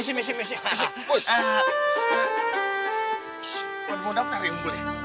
siapa yang mau daftar ya